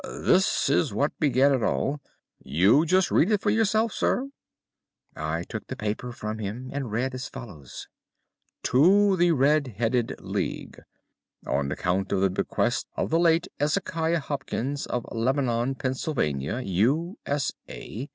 This is what began it all. You just read it for yourself, sir." I took the paper from him and read as follows: "TO THE RED HEADED LEAGUE: On account of the bequest of the late Ezekiah Hopkins, of Lebanon, Pennsylvania, U.S.A.